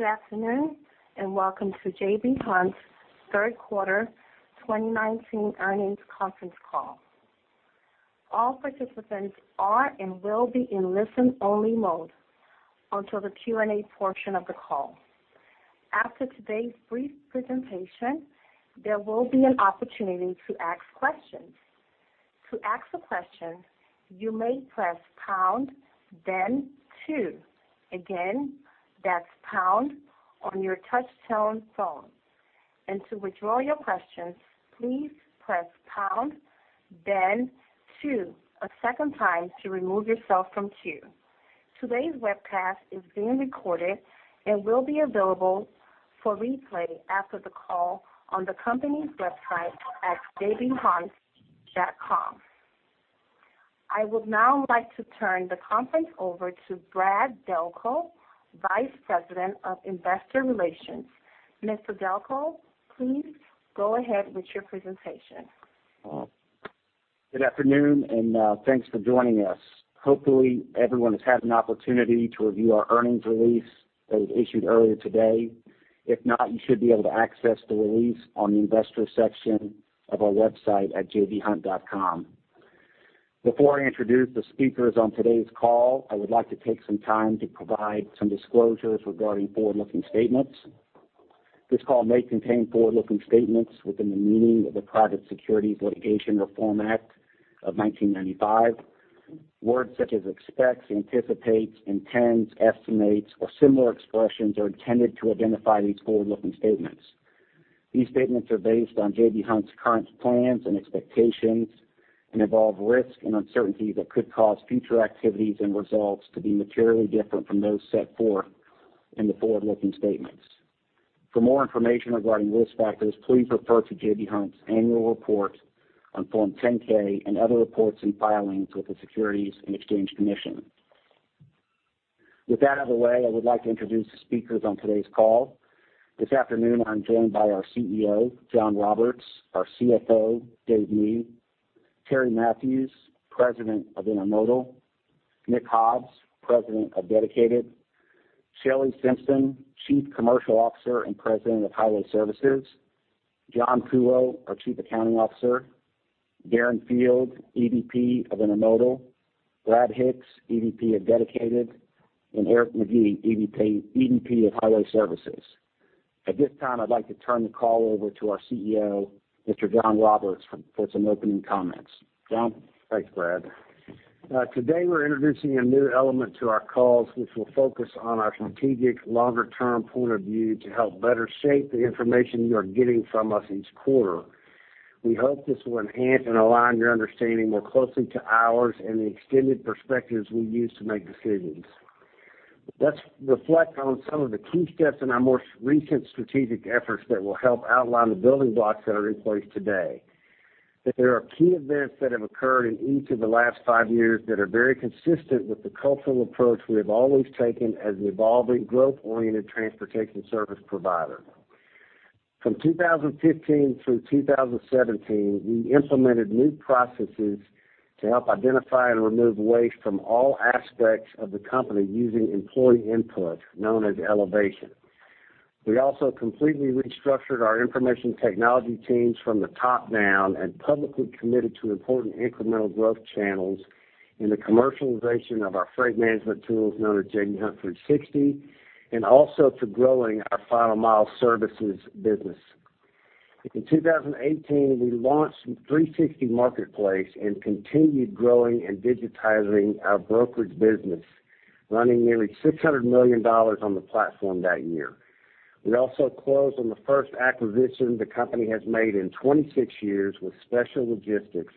Good afternoon, and welcome to J.B. Hunt's third quarter 2019 earnings conference call. All participants are and will be in listen-only mode until the Q&A portion of the call. After today's brief presentation, there will be an opportunity to ask questions. To ask a question, you may press pound, then two. Again, that's pound on your touchtone phone. To withdraw your questions, please press pound, then two a second time to remove yourself from queue. Today's webcast is being recorded and will be available for replay after the call on the company's website at jbhunt.com. I would now like to turn the conference over to Brad Delco, Vice President of Investor Relations. Mr. Delco, please go ahead with your presentation. Good afternoon. Thanks for joining us. Hopefully, everyone has had an opportunity to review our earnings release that was issued earlier today. If not, you should be able to access the release on the investor section of our website at jbhunt.com. Before I introduce the speakers on today's call, I would like to take some time to provide some disclosures regarding forward-looking statements. This call may contain forward-looking statements within the meaning of the Private Securities Litigation Reform Act of 1995. Words such as expects, anticipates, intends, estimates, or similar expressions are intended to identify these forward-looking statements. These statements are based on J.B. Hunt's current plans and expectations and involve risk and uncertainty that could cause future activities and results to be materially different from those set forth in the forward-looking statements. For more information regarding risk factors, please refer to J.B. Hunt's annual report on Form 10-K and other reports and filings with the Securities and Exchange Commission. With that out of the way, I would like to introduce the speakers on today's call. This afternoon, I'm joined by our CEO, John Roberts, our CFO, Dave Mee, Terry Matthews, President of Intermodal, Nick Hobbs, President of Dedicated, Shelley Simpson, Chief Commercial Officer and President of Highway Services, John Kuhlow, our Chief Accounting Officer, Darren Field, EVP of Intermodal, Brad Hicks, EVP of Dedicated, and Eric McGee, EVP of Highway Services. At this time, I'd like to turn the call over to our CEO, Mr. John Roberts, for some opening comments. John? Thanks, Brad. Today, we're introducing a new element to our calls, which will focus on our strategic longer-term point of view to help better shape the information you are getting from us each quarter. We hope this will enhance and align your understanding more closely to ours and the extended perspectives we use to make decisions. Let's reflect on some of the key steps in our more recent strategic efforts that will help outline the building blocks that are in place today. There are key events that have occurred in each of the last five years that are very consistent with the cultural approach we have always taken as an evolving, growth-oriented transportation service provider. From 2015 through 2017, we implemented new processes to help identify and remove waste from all aspects of the company using employee input, known as ELEVATION. We also completely restructured our information technology teams from the top down and publicly committed to important incremental growth channels in the commercialization of our freight management tools known as J.B. Hunt 360, and also to growing our Final Mile services business. In 2018, we launched 360 Marketplace and continued growing and digitizing our brokerage business, running nearly $600 million on the platform that year. We also closed on the first acquisition the company has made in 26 years with Special Logistics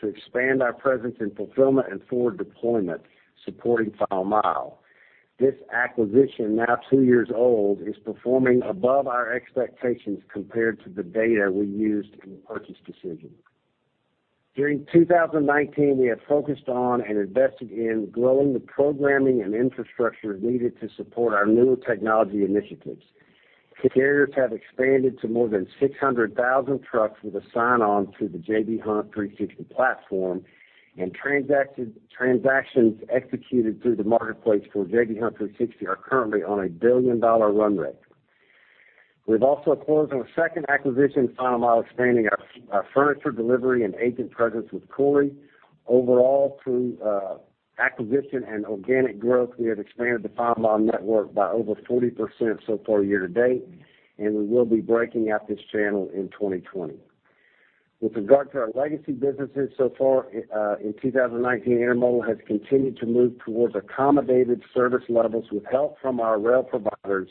to expand our presence in fulfillment and forward deployment, supporting Final Mile. This acquisition, now two years old, is performing above our expectations compared to the data we used in the purchase decision. During 2019, we have focused on and invested in growing the programming and infrastructure needed to support our newer technology initiatives. Carriers have expanded to more than 600,000 trucks with a sign-on to the J.B. Hunt 360 platform. Transactions executed through the J.B. Hunt 360 Marketplace are currently on a billion-dollar run rate. We've also closed on a second acquisition in Final Mile, expanding our furniture delivery and agent presence with Cory. Overall, through acquisition and organic growth, we have expanded the Final Mile network by over 40% so far year to date. We will be breaking out this channel in 2020. With regard to our legacy businesses so far in 2019, Intermodal has continued to move towards accommodated service levels with help from our rail providers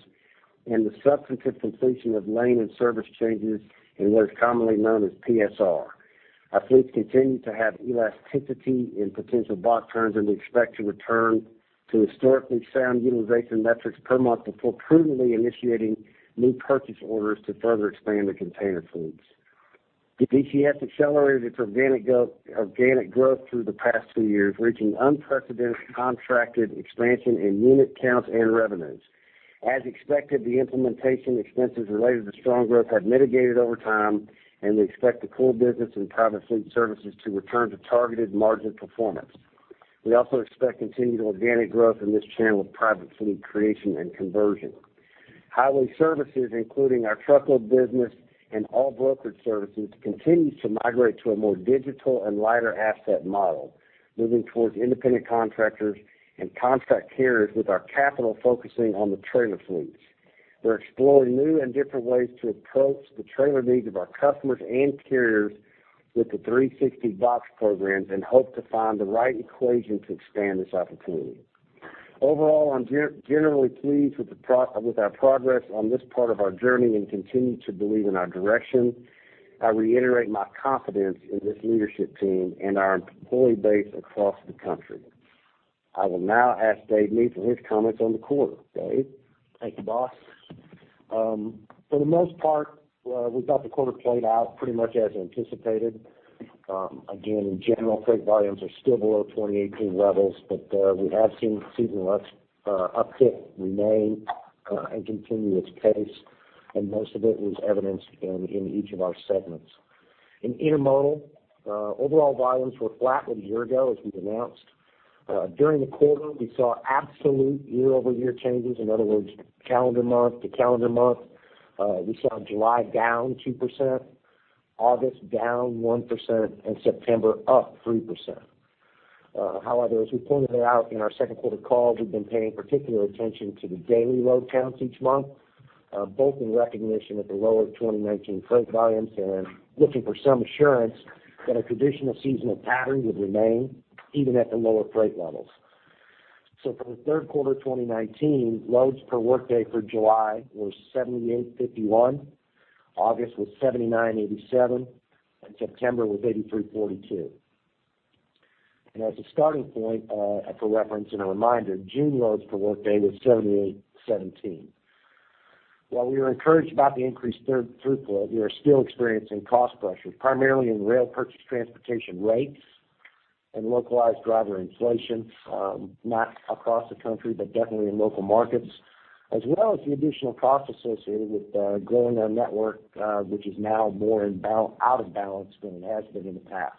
and the substantive completion of lane and service changes in what is commonly known as PSR. Our fleets continue to have elasticity in potential box turns. We expect to return to historically sound utilization metrics per month before prudently initiating new purchase orders to further expand the container fleets. DCS accelerated its organic growth through the past 2 years, reaching unprecedented contracted expansion in unit counts and revenues. As expected, the implementation expenses related to strong growth have mitigated over time, and we expect the core business and private fleet services to return to targeted margin performance. We also expect continued organic growth in this channel of private fleet creation and conversion. Highway Services, including our truckload business and all brokerage services, continues to migrate to a more digital and lighter asset model, moving towards independent contractors and contract carriers, with our capital focusing on the trailer fleets. We're exploring new and different ways to approach the trailer needs of our customers and carriers with the 360box programs and hope to find the right equation to expand this opportunity. Overall, I'm generally pleased with our progress on this part of our journey and continue to believe in our direction. I reiterate my confidence in this leadership team and our employee base across the country. I will now ask Dave Mee for his comments on the quarter. Dave? Thank you, boss. For the most part, we thought the quarter played out pretty much as anticipated. General freight volumes are still below 2018 levels, but we have seen seasonal uptick remain and continue its pace, and most of it was evidenced in each of our segments. In Intermodal, overall volumes were flat with a year ago, as we've announced. During the quarter, we saw absolute year-over-year changes. In other words, calendar month to calendar month. We saw July down 2%, August down 1%, and September up 3%. As we pointed out in our second quarter call, we've been paying particular attention to the daily load counts each month, both in recognition of the lower 2019 freight volumes and looking for some assurance that a traditional seasonal pattern would remain even at the lower freight levels. For the third quarter 2019, loads per workday for July were 7,851, August was 7,987, and September was 8,342. As a starting point for reference and a reminder, June loads per workday was 7,817. While we are encouraged about the increased throughput, we are still experiencing cost pressures, primarily in rail purchase transportation rates and localized driver inflation, not across the country, but definitely in local markets, as well as the additional costs associated with growing our network, which is now more out of balance than it has been in the past.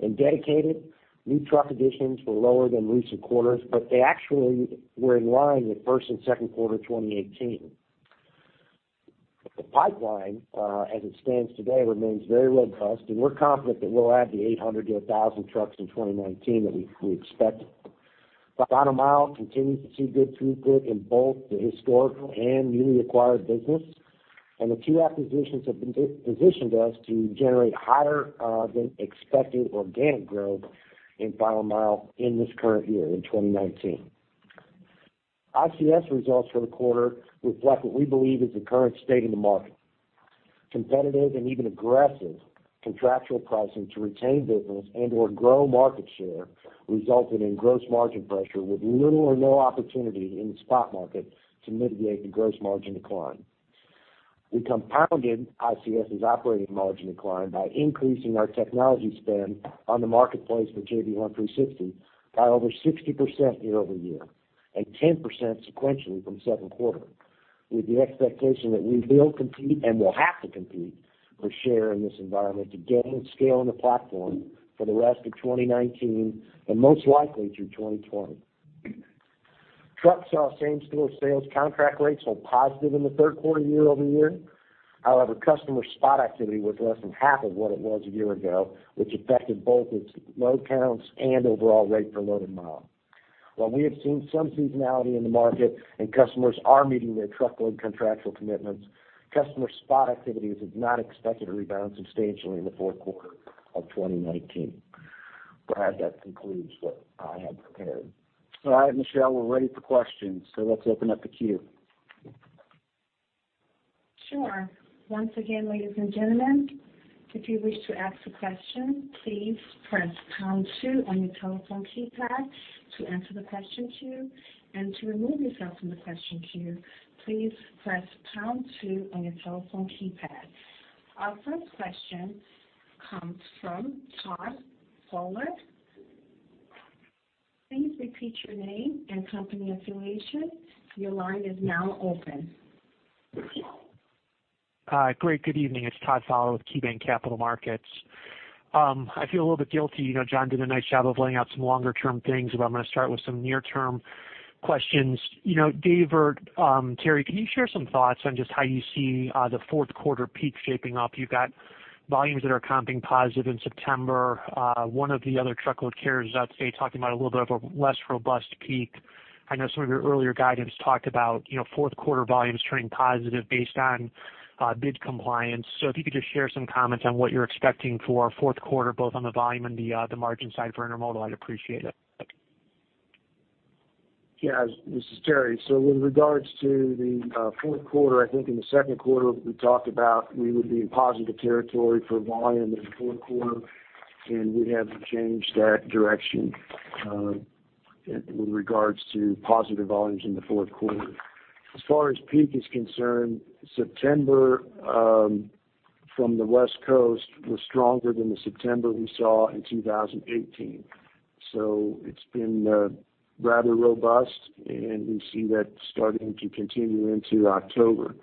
In Dedicated, new truck additions were lower than recent quarters, but they actually were in line with first and second quarter 2018. The pipeline, as it stands today, remains very robust, and we're confident that we'll add the 800-1,000 trucks in 2019 that we expected. Final Mile continues to see good throughput in both the historical and newly acquired business. The two acquisitions have positioned us to generate higher than expected organic growth in Final Mile in this current year, in 2019. ICS results for the quarter reflect what we believe is the current state of the market. Competitive and even aggressive contractual pricing to retain business and/or grow market share resulted in gross margin pressure with little or no opportunity in the spot market to mitigate the gross margin decline. We compounded ICS's operating margin decline by increasing our technology spend on the marketplace for J.B. Hunt 360 by over 60% year-over-year, and 10% sequentially from second quarter, with the expectation that we will compete and will have to compete for share in this environment to gain scale in the platform for the rest of 2019 and most likely through 2020. Truck saw same-store sales contract rates hold positive in the third quarter year-over-year. However, customer spot activity was less than half of what it was a year ago, which affected both its load counts and overall rate per loaded mile. While we have seen some seasonality in the market and customers are meeting their truckload contractual commitments, customer spot activities is not expected to rebound substantially in the fourth quarter of 2019. Brad, that concludes what I have prepared. All right, Michelle, we're ready for questions, so let's open up the queue. Sure. Once again, ladies and gentlemen, if you wish to ask a question, please press pound two on your telephone keypad to enter the question queue. To remove yourself from the question queue, please press pound two on your telephone keypad. Our first question comes from Todd Fowler. Please repeat your name and company affiliation. Your line is now open. Hi. Great. Good evening. It's Todd Fowler with KeyBanc Capital Markets. I feel a little bit guilty. John did a nice job of laying out some longer-term things. I'm going to start with some near-term questions. Dave or Terry, can you share some thoughts on just how you see the fourth quarter peak shaping up? You've got volumes that are comping positive in September. One of the other truckload carriers, I'd say, talking about a little bit of a less robust peak. I know some of your earlier guidance talked about fourth quarter volumes turning positive based on bid compliance. If you could just share some comments on what you're expecting for fourth quarter, both on the volume and the margin side for Intermodal, I'd appreciate it. Thank you. Yeah. This is Terry. In regards to the fourth quarter, I think in the second quarter, we talked about we would be in positive territory for volume in the fourth quarter, and we haven't changed that direction with regards to positive volumes in the fourth quarter. As far as peak is concerned, September from the West Coast was stronger than the September we saw in 2018. It's been rather robust, and we see that starting to continue into October.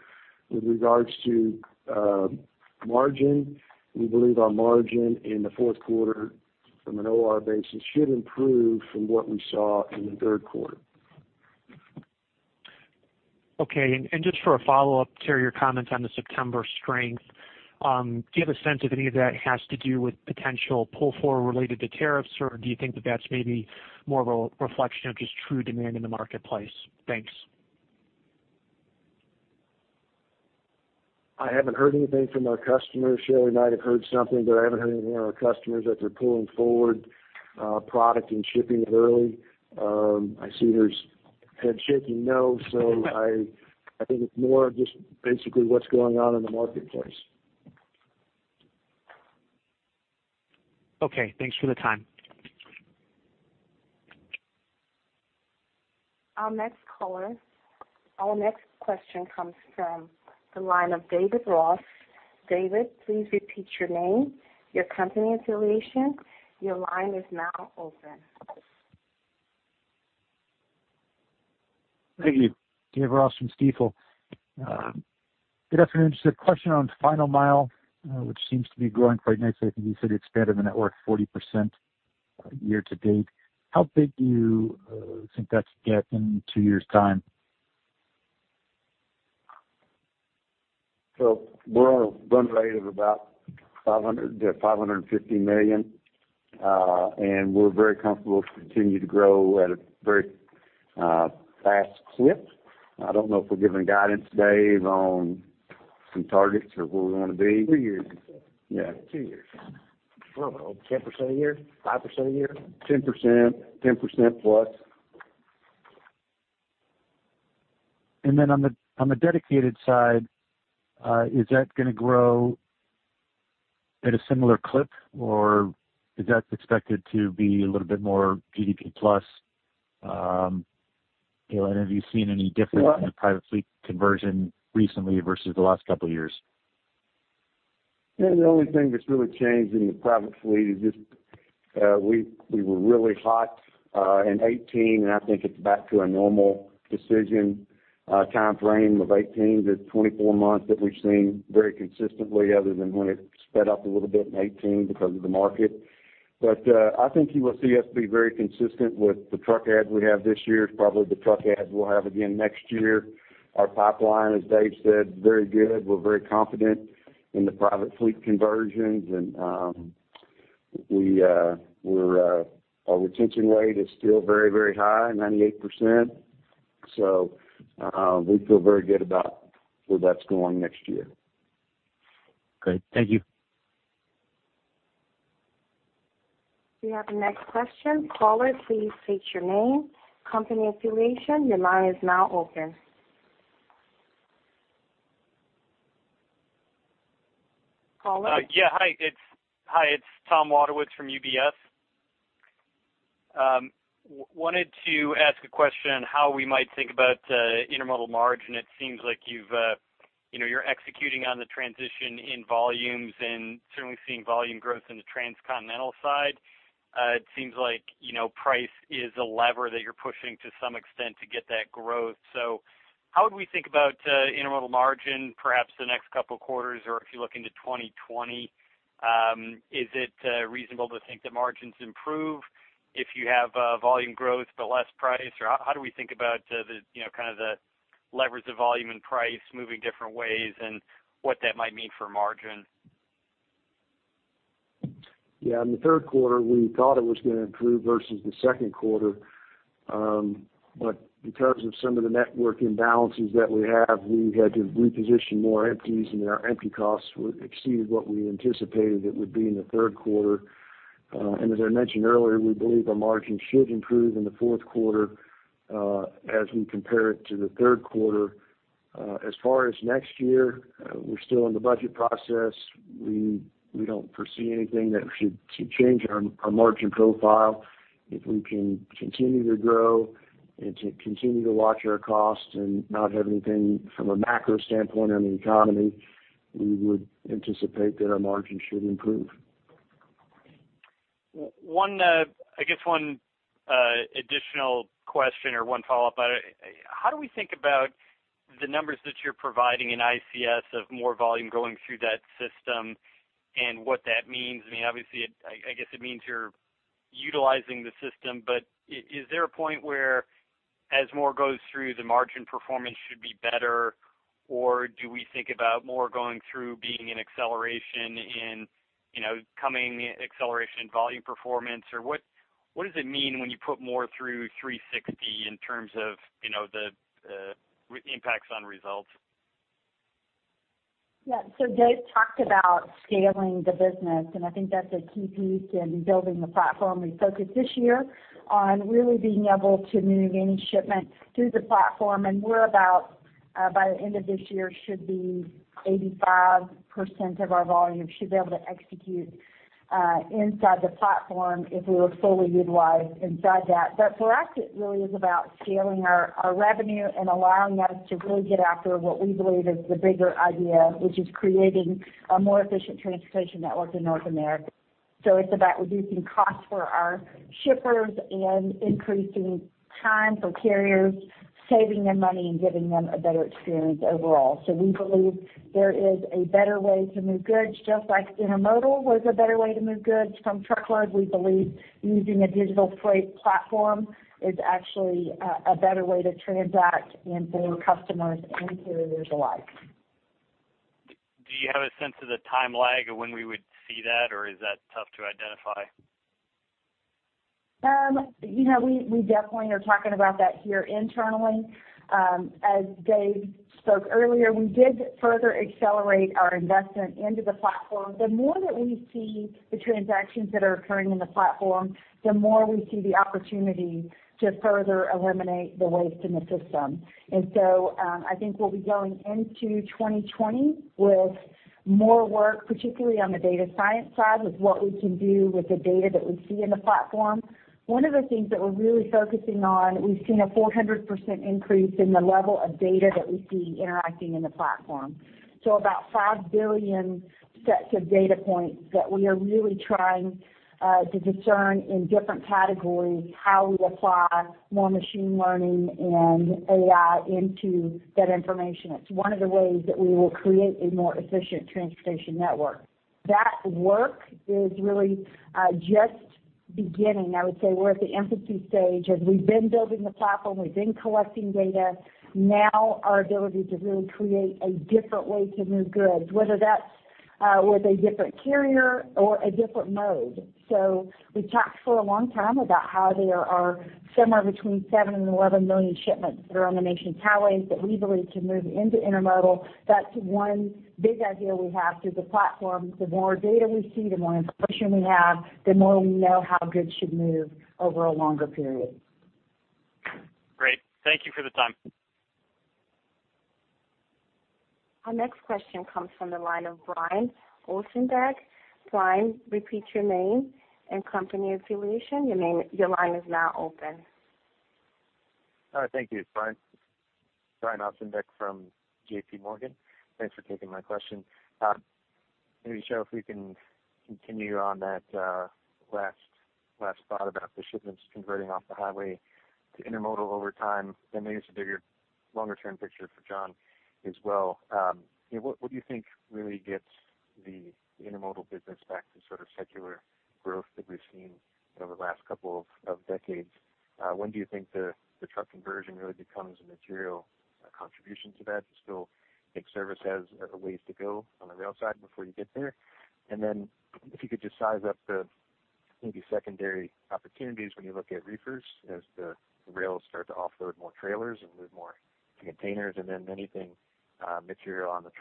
With regards to margin, we believe our margin in the fourth quarter from an OR basis should improve from what we saw in the third quarter. Okay, just for a follow-up to your comment on the September strength, do you have a sense if any of that has to do with potential pull-forward related to tariffs, or do you think that that's maybe more of a reflection of just true demand in the marketplace? Thanks. I haven't heard anything from our customers. Shelley might have heard something, but I haven't heard anything from our customers that they're pulling forward product and shipping it early. I see there's head shaking no. I think it's more of just basically what's going on in the marketplace. Okay, thanks for the time. Our next question comes from the line of David Ross. David, please repeat your name, your company affiliation. Your line is now open. Thank you. David Ross from Stifel. Good afternoon. Just a question on Final Mile, which seems to be growing quite nicely. I think you said expanded the network 40% year to date. How big do you think that could get in two years' time? We're on a run rate of about $500 million to $550 million. We're very comfortable to continue to grow at a very fast clip. I don't know if we're giving guidance, Dave, on some targets or where we want to be. Two years. Yeah. Two years. I don't know, 10% a year, five% a year. 10%, 10% plus. On the dedicated side, is that going to grow at a similar clip, or is that expected to be a little bit more GDP plus? Have you seen any difference in the private fleet conversion recently versus the last couple of years? Yeah, the only thing that's really changed in the private fleet is just we were really hot in 2018, and I think it's back to a normal decision timeframe of 18-24 months that we've seen very consistently, other than when it sped up a little bit in 2018 because of the market. I think you will see us be very consistent with the truck adds we have this year, probably the truck adds we'll have again next year. Our pipeline, as Dave said, very good. We're very confident in the private fleet conversions and our retention rate is still very high, 98%. We feel very good about where that's going next year. Great. Thank you. We have the next question. Caller, please state your name, company affiliation. Your line is now open. Caller? Hi, it's Thomas Wadewitz from UBS. I wanted to ask a question on how we might think about intermodal margin. It seems like you're executing on the transition in volumes and certainly seeing volume growth in the transcontinental side. It seems like price is a lever that you're pushing to some extent to get that growth. How would we think about intermodal margin perhaps the next couple of quarters, or if you look into 2020? Is it reasonable to think that margins improve if you have volume growth but less price? How do we think about the levers of volume and price moving different ways and what that might mean for margin? Yeah, in the third quarter, we thought it was going to improve versus the second quarter. Because of some of the network imbalances that we have, we had to reposition more empties, and our empty costs exceeded what we anticipated it would be in the third quarter. As I mentioned earlier, we believe our margins should improve in the fourth quarter as we compare it to the third quarter. As far as next year, we're still in the budget process. We don't foresee anything that should change our margin profile. If we can continue to grow and to continue to watch our costs and not have anything from a macro standpoint on the economy, we would anticipate that our margins should improve. I guess one additional question or one follow-up? How do we think about the numbers that you're providing in ICS of more volume going through that system and what that means? Obviously, I guess it means you're utilizing the system. Is there a point where as more goes through, the margin performance should be better, or do we think about more going through being an acceleration in volume performance? What does it mean when you put more through 360 in terms of the impacts on results? Yeah. Dave talked about scaling the business, and I think that's a key piece in building the platform. We focused this year on really being able to move any shipment through the platform, and we're about, by the end of this year, should be 85% of our volume should be able to execute inside the platform if we were fully utilized inside that. For us, it really is about scaling our revenue and allowing us to really get after what we believe is the bigger idea, which is creating a more efficient transportation network in North America. It's about reducing costs for our shippers and increasing time for carriers, saving them money and giving them a better experience overall. We believe there is a better way to move goods, just like intermodal was a better way to move goods from truckload. We believe using a digital freight platform is actually a better way to transact and for customers and carriers alike. Do you have a sense of the time lag of when we would see that, or is that tough to identify? We definitely are talking about that here internally. As Dave spoke earlier, we did further accelerate our investment into the platform. The more that we see the transactions that are occurring in the platform, the more we see the opportunity to further eliminate the waste in the system. I think we'll be going into 2020 with more work, particularly on the data science side, with what we can do with the data that we see in the platform. One of the things that we're really focusing on, we've seen a 400% increase in the level of data that we see interacting in the platform. About 5 billion sets of data points that we are really trying to discern in different categories, how we apply more machine learning and AI into that information. It's one of the ways that we will create a more efficient transportation network. That work is really just beginning. I would say we're at the infancy stage. As we've been building the platform, we've been collecting data. Our ability to really create a different way to move goods, whether that's with a different carrier or a different mode. We've talked for a long time about how there are somewhere between seven and 11 million shipments that are on the nation's highways that we believe can move into intermodal. That's one big idea we have through the platform. The more data we see, the more information we have, the more we know how goods should move over a longer period. Great. Thank you for the time. Our next question comes from the line of Brian Ossenbeck. Brian, repeat your name and company affiliation. Your line is now open. All right. Thank you, Brian. Brian Ossenbeck from J.P. Morgan. Thanks for taking my question. Maybe, Shelley, if we can continue on that last thought about the shipments converting off the highway to intermodal over time, then maybe it's a bigger, longer-term picture for John as well. What do you think really gets the intermodal business back to sort of secular growth that we've seen over the last couple of decades? When do you think the truck conversion really becomes a material contribution to that? I still think service has a ways to go on the rail side before you get there. If you could just size up the maybe secondary opportunities when you look at reefers as the rails start to offload more trailers and move more to containers, and then anything material on the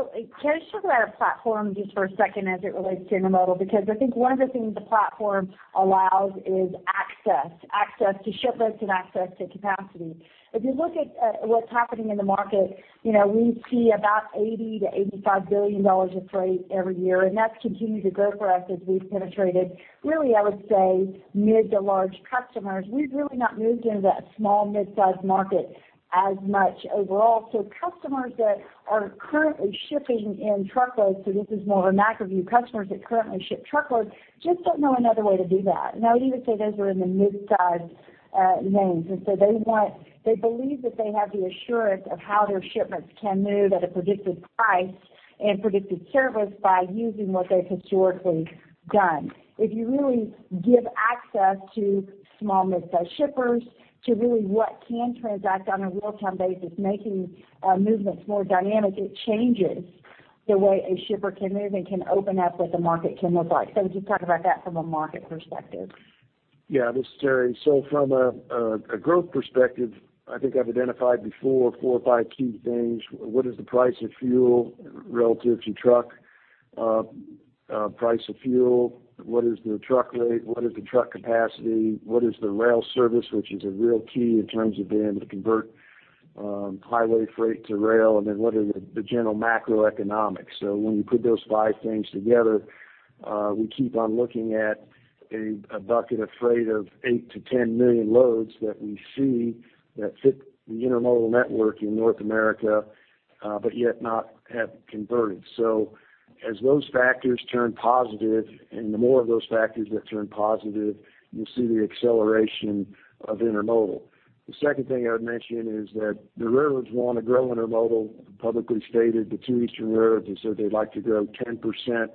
transload opportunity. Can I just talk about our platform just for a second as it relates to intermodal? Because I think one of the things the platform allows is access to shipments and access to capacity. If you look at what's happening in the market, we see about $80 billion-$85 billion of freight every year, and that's continued to grow for us as we've penetrated, really, I would say, mid to large customers. We've really not moved into that small, midsize market as much overall. Customers that are currently shipping in truckload, so this is more of a macro view, customers that currently ship truckload just don't know another way to do that. I would even say those are in the midsize lanes. They believe that they have the assurance of how their shipments can move at a predicted price and predicted service by using what they've historically done. If you really give access to small, midsize shippers to really what can transact on a real-time basis, making movements more dynamic, it changes the way a shipper can move and can open up what the market can look like. Just talk about that from a market perspective. Yeah. This is Terry. From a growth perspective, I think I've identified before four or five key things. What is the price of fuel relative to truck? Price of fuel, what is the truck rate? What is the truck capacity? What is the rail service, which is a real key in terms of being able to convert highway freight to rail. What are the general macroeconomics? When you put those five things together, we keep on looking at a bucket of freight of eight to 10 million loads that we see that fit the intermodal network in North America, but yet not have converted. As those factors turn positive and the more of those factors that turn positive, you'll see the acceleration of intermodal. The second thing I would mention is that the railroads want to grow intermodal. Publicly stated, the two eastern railroads have said they'd like to grow 10%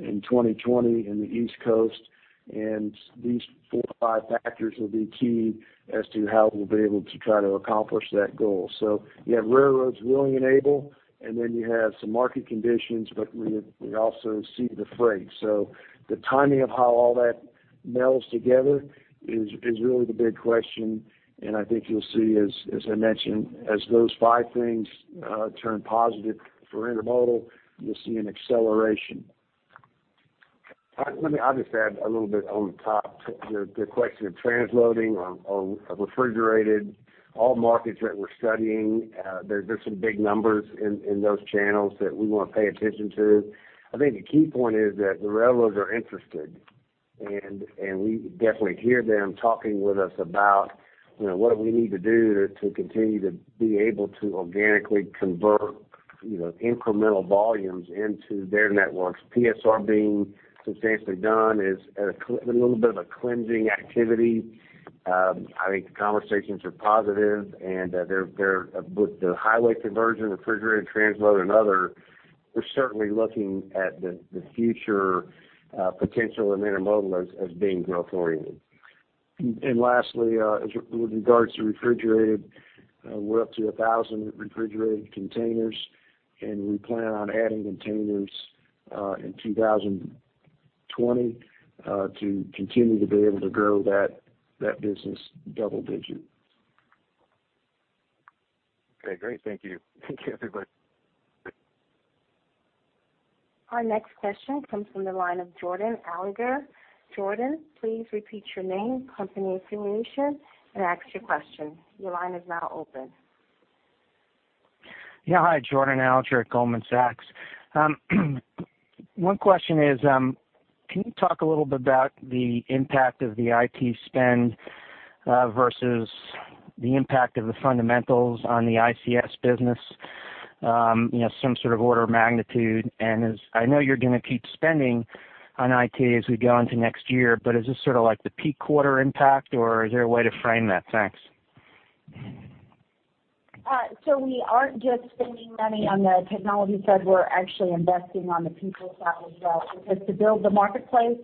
in 2020 in the East Coast, and these four or five factors will be key as to how we'll be able to try to accomplish that goal. You have railroads willing and able, and then you have some market conditions, but we also see the freight. The timing of how all that melds together is really the big question, and I think you'll see, as I mentioned, as those five things turn positive for intermodal, you'll see an acceleration. Let me obviously add a little bit on top to the question of transloading or refrigerated. All markets that we're studying, there's some big numbers in those channels that we want to pay attention to. I think the key point is that the railroads are interested We definitely hear them talking with us about what we need to do to continue to be able to organically convert incremental volumes into their networks. PSR being substantially done is a little bit of a cleansing activity. I think the conversations are positive, and with the highway conversion, refrigerated, transload, and other, we're certainly looking at the future potential of intermodal as being growth oriented. Lastly, with regards to refrigerated, we're up to 1,000 refrigerated containers, and we plan on adding containers in 2020 to continue to be able to grow that business double-digit. Okay, great. Thank you. Thank you, everybody. Our next question comes from the line of Jordan Alliger. Jordan, please repeat your name, company affiliation, and ask your question. Your line is now open. Yeah. Hi, Jordan Alliger at Goldman Sachs. One question is, can you talk a little bit about the impact of the IT spend versus the impact of the fundamentals on the ICS business? Some sort of order of magnitude. I know you're going to keep spending on IT as we go into next year, is this sort of like the peak quarter impact, or is there a way to frame that? Thanks. We aren't just spending money on the technology side. We're actually investing on the people side as well, because to build the marketplace,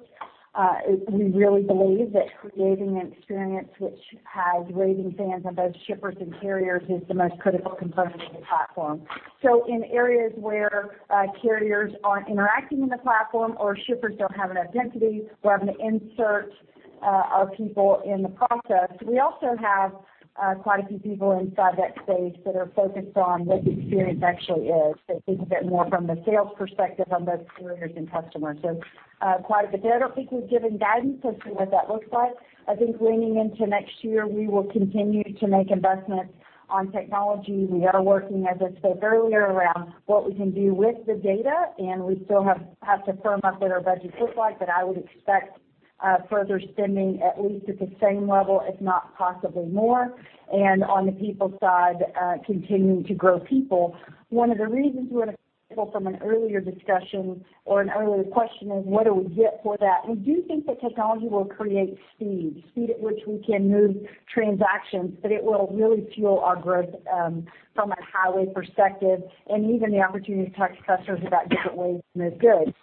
we really believe that creating an experience which has raving fans on both shippers and carriers is the most critical component of the platform. In areas where carriers aren't interacting in the platform or shippers don't have enough density, we're having to insert our people in the process. We also have quite a few people inside that space that are focused on what the experience actually is. They think of it more from the sales perspective on both carriers and customers. Quite a bit. I don't think we've given guidance as to what that looks like. I think leaning into next year, we will continue to make investments on technology. We are working, as I stated earlier, around what we can do with the data, and we still have to firm up what our budget looks like. I would expect further spending at least at the same level, if not possibly more. On the people side, continuing to grow people. One of the reasons we're going to pull from an earlier discussion or an earlier question is, what do we get for that? We do think that technology will create speed at which we can move transactions, that it will really fuel our growth from a highway perspective and even the opportunity to talk to customers about different ways to move goods.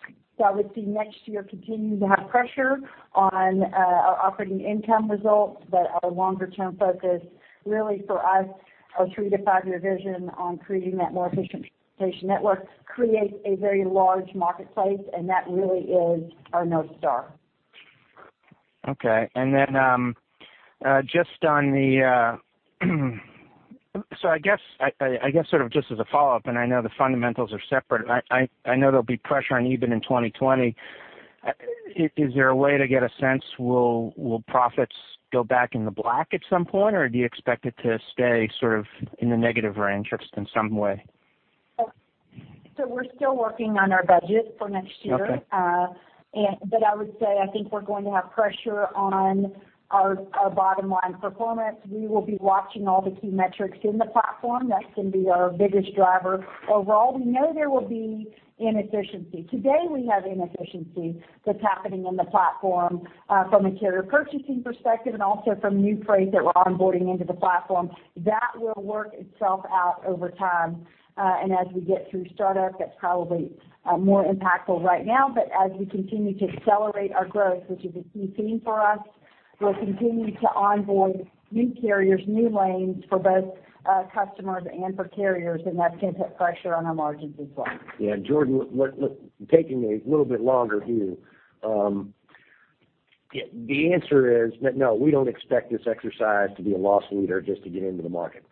I would see next year continuing to have pressure on our operating income results, but our longer-term focus, really for us, our three to five-year vision on creating that more efficient transportation network creates a very large marketplace, and that really is our North Star. Okay. I guess sort of just as a follow-up, and I know the fundamentals are separate, I know there'll be pressure on EBIT in 2020. Is there a way to get a sense, will profits go back in the black at some point, or do you expect it to stay sort of in the negative range just in some way? We're still working on our budget for next year. Okay. I would say, I think we're going to have pressure on our bottom line performance. We will be watching all the key metrics in the platform. That's going to be our biggest driver overall. We know there will be inefficiency. Today, we have inefficiency that's happening in the platform from a carrier purchasing perspective and also from new freight that we're onboarding into the platform. That will work itself out over time. As we get through startup, that's probably more impactful right now. As we continue to accelerate our growth, which is a key theme for us, we'll continue to onboard new carriers, new lanes for both customers and for carriers, and that's going to put pressure on our margins as well. Yeah. Jordan, taking a little bit longer view, the answer is no, we don't expect this exercise to be a loss leader just to get into the market.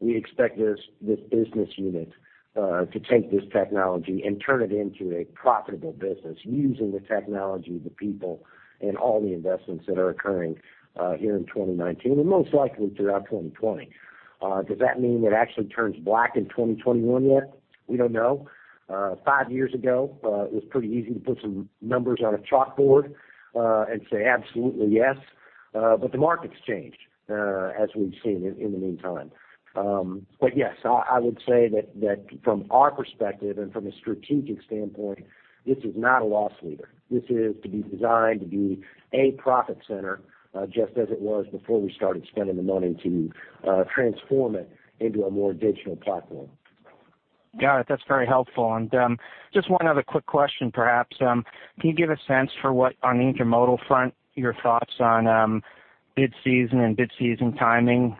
We expect this business unit to take this technology and turn it into a profitable business using the technology, the people, and all the investments that are occurring here in 2019 and most likely throughout 2020. Does that mean it actually turns black in 2021 yet? We don't know. Five years ago, it was pretty easy to put some numbers on a chalkboard and say absolutely yes. The market's changed, as we've seen in the meantime. Yes, I would say that from our perspective and from a strategic standpoint, this is not a loss leader. This is to be designed to be a profit center, just as it was before we started spending the money to transform it into a more digital platform. Got it. That's very helpful. Just one other quick question, perhaps. Can you give a sense for what, on the intermodal front, your thoughts on bid season and bid season timing?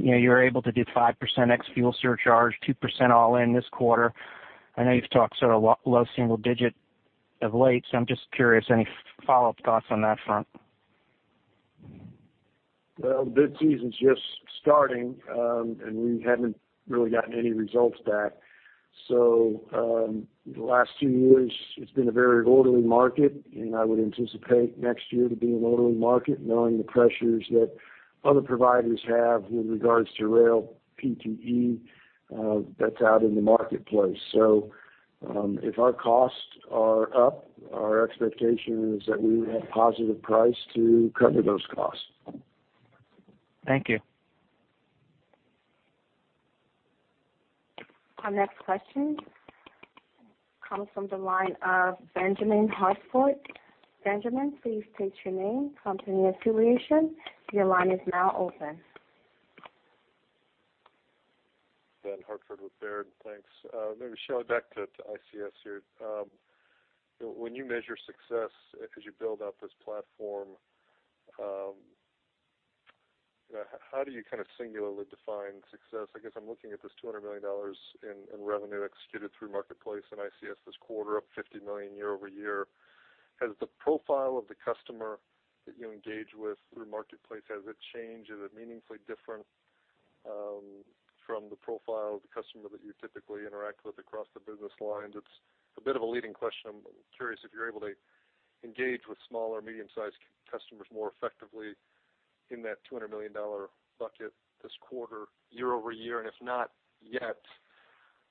You're able to do 5% ex-fuel surcharge, 2% all in this quarter. I know you've talked sort of low single-digit of late, so I'm just curious, any follow-up thoughts on that front? Well, bid season's just starting. We haven't really gotten any results back. The last two years, it's been a very orderly market, and I would anticipate next year to be an orderly market, knowing the pressures that other providers have with regards to rail PTC that's out in the marketplace. If our costs are up, our expectation is that we will have positive price to cover those costs. Thank you. Our next question comes from the line of Benjamin Hartford. Benjamin, please state your name, company affiliation. Your line is now open. Ben Hartford with Baird. Thanks. Maybe Shelley, back to ICS here. When you measure success as you build out this platform, how do you singularly define success? I guess I'm looking at this $200 million in revenue executed through Marketplace and ICS this quarter, up $50 million year-over-year. Has the profile of the customer that you engage with through Marketplace, has it changed? Is it meaningfully different from the profile of the customer that you typically interact with across the business lines? It's a bit of a leading question, but I'm curious if you're able to engage with small or medium-sized customers more effectively in that $200 million bucket this quarter year-over-year. If not yet,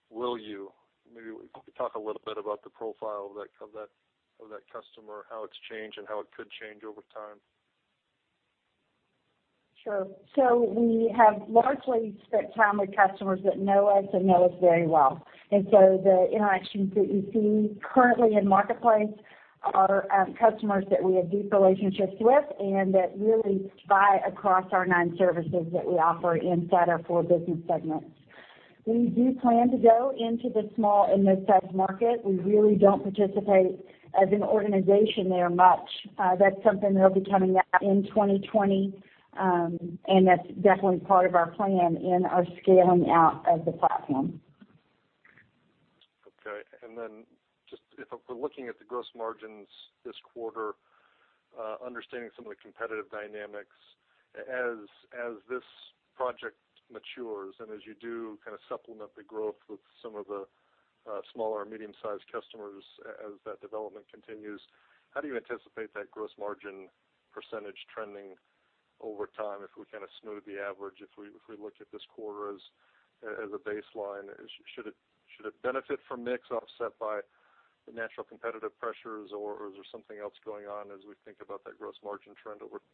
will you? Maybe talk a little bit about the profile of that customer, how it's changed, and how it could change over time. Sure. We have largely spent time with customers that know us and know us very well. The interactions that you see currently in Marketplace are customers that we have deep relationships with and that really buy across our nine services that we offer inside our four business segments. We do plan to go into the small and midsize market. We really don't participate as an organization there much. That's something that'll be coming out in 2020. That's definitely part of our plan in our scaling out of the platform. Okay, just if we're looking at the gross margins this quarter, understanding some of the competitive dynamics, as this project matures and as you do supplement the growth with some of the small or medium-sized customers as that development continues, how do you anticipate that gross margin percentage trending over time if we smooth the average, if we look at this quarter as a baseline? Should it benefit from mix offset by the natural competitive pressures, or is there something else going on as we think about that gross margin trend over time?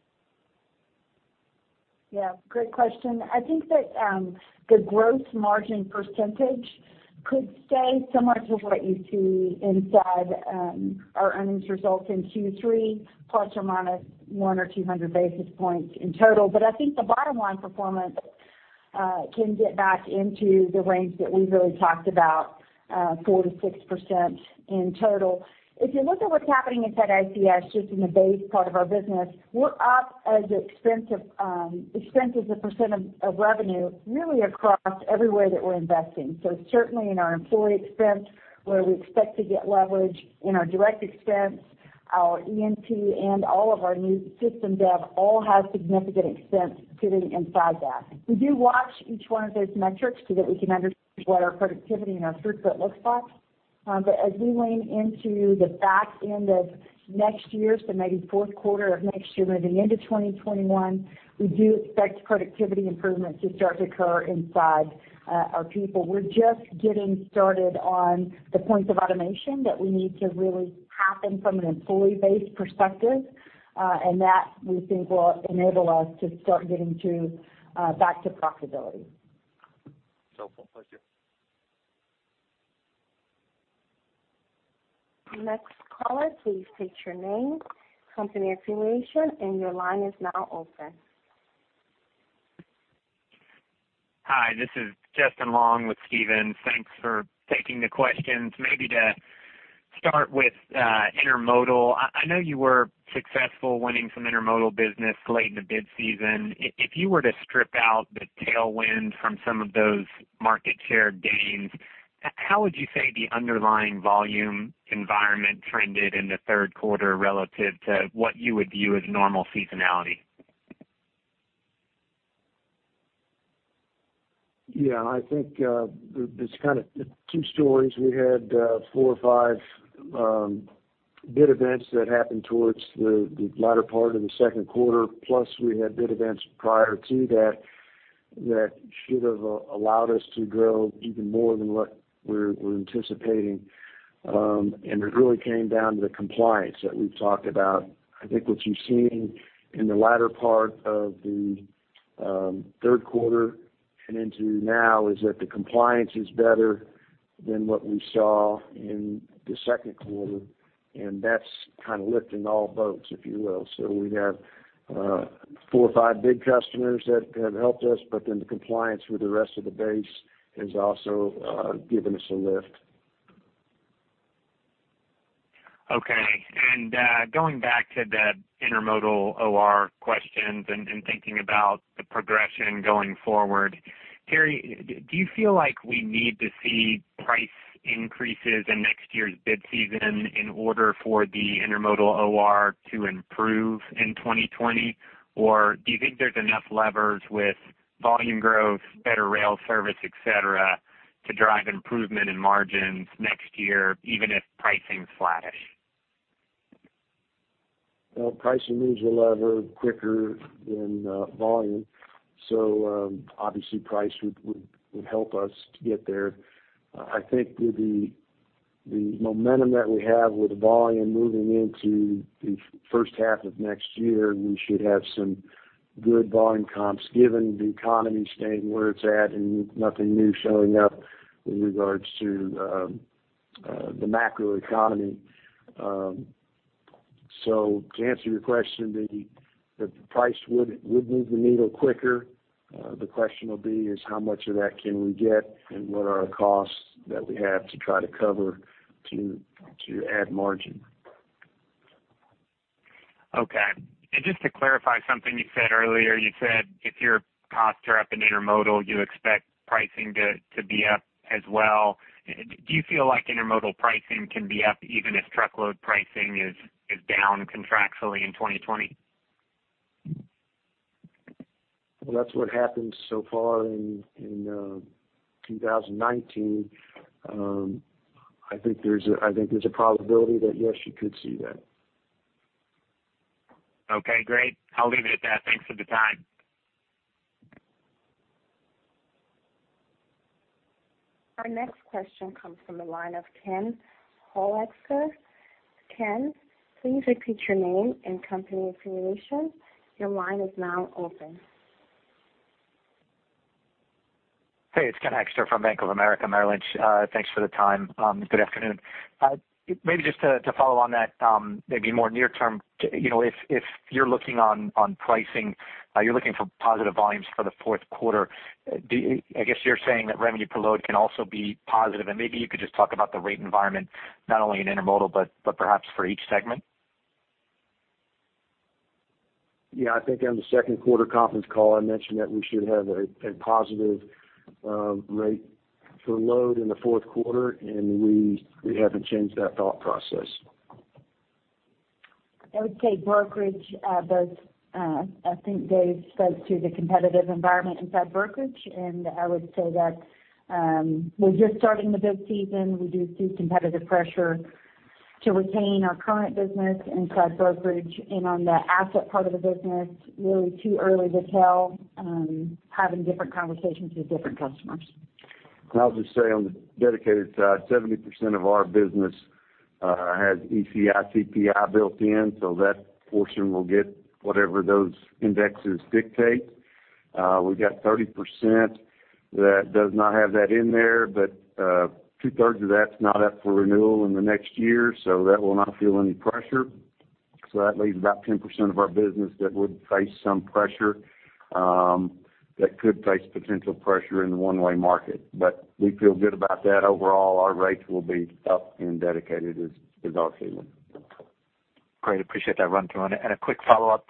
Great question. I think that the gross margin % could stay similar to what you see inside our earnings results in Q3, ±100 or 200 basis points in total. I think the bottom line performance can get back into the range that we've really talked about, 4%-6% in total. If you look at what's happening inside ICS, just in the base part of our business, we're up as expenses to % of revenue really across everywhere that we're investing. Certainly in our employee expense where we expect to get leverage, in our direct expense, our EMP, and all of our new system dev all have significant expense sitting inside that. We do watch each one of those metrics so that we can understand what our productivity and our footprint looks like. As we lean into the back end of next year, so maybe fourth quarter of next year, maybe into 2021, we do expect productivity improvements to start to occur inside our people. We're just getting started on the points of automation that we need to really happen from an employee-based perspective. That, we think, will enable us to start getting back to profitability. Helpful. Thank you. Next caller, please state your name, company affiliation, and your line is now open. Hi, this is Justin Long with Stephens. Thanks for taking the questions. Maybe to start with intermodal, I know you were successful winning some intermodal business late in the bid season. If you were to strip out the tailwind from some of those market share gains, how would you say the underlying volume environment trended in the third quarter relative to what you would view as normal seasonality? Yeah, I think there's two stories. We had four or five bid events that happened towards the latter part of the second quarter, plus we had bid events prior to that should have allowed us to grow even more than what we were anticipating. It really came down to the compliance that we've talked about. I think what you're seeing in the latter part of the third quarter and into now is that the compliance is better than what we saw in the second quarter, and that's lifting all boats, if you will. We have four or five big customers that have helped us, but then the compliance with the rest of the base has also given us a lift. Okay. Going back to the intermodal OR questions and thinking about the progression going forward, Terry, do you feel like we need to see price increases in next year's bid season in order for the intermodal OR to improve in 2020? Or do you think there's enough levers with volume growth, better rail service, et cetera, to drive improvement in margins next year, even if pricing is flat-ish? Well, pricing moves the lever quicker than volume. Obviously, price would help us to get there. The momentum that we have with volume moving into the first half of next year, we should have some good volume comps, given the economy staying where it's at and nothing new showing up in regards to the macroeconomy. To answer your question, the price would move the needle quicker. The question will be is how much of that can we get, and what are our costs that we have to try to cover to add margin? Okay. Just to clarify something you said earlier, you said if your costs are up in intermodal, you expect pricing to be up as well. Do you feel like intermodal pricing can be up even if truckload pricing is down contractually in 2020? That's what happened so far in 2019. I think there's a probability that yes, you could see that. Okay, great. I'll leave it at that. Thanks for the time. Our next question comes from the line of Ken Hoexter. Ken, please repeat your name and company affiliation. Your line is now open. Hey, it's Ken Hoexter from Bank of America Merrill Lynch. Thanks for the time. Good afternoon. Maybe just to follow on that maybe more near term, if you're looking on pricing, you're looking for positive volumes for the fourth quarter. I guess you're saying that revenue per load can also be positive, and maybe you could just talk about the rate environment, not only in intermodal but perhaps for each segment. Yeah, I think on the second quarter conference call, I mentioned that we should have a positive rate for load in the fourth quarter, and we haven't changed that thought process. I would say brokerage does I think Dave spoke to the competitive environment inside brokerage, and I would say that we're just starting the big season. We do see competitive pressure to retain our current business inside brokerage, and on the asset part of the business, really too early to tell. Having different conversations with different customers. I'll just say on the dedicated side, 70% of our business has ETI, TTI built in, so that portion will get whatever those indexes dictate. We got 30% that does not have that in there, but two-thirds of that's not up for renewal in the next year, so that will not feel any pressure. That leaves about 10% of our business that would face some pressure, that could face potential pressure in the one-way market. We feel good about that. Overall, our rates will be up in dedicated as our season goes. Great. Appreciate that run through on it. A quick follow-up.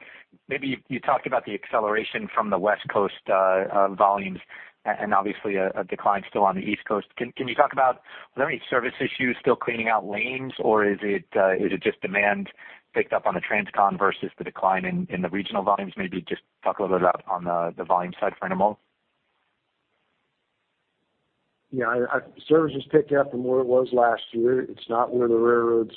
Maybe you talked about the acceleration from the West Coast volumes and obviously a decline still on the East Coast. Can you talk about were there any service issues still cleaning out lanes, or is it just demand picked up on the transcon versus the decline in the regional volumes? Maybe just talk a little bit about on the volume side for intermodal. Yeah, service has picked up from where it was last year. It's not where the railroads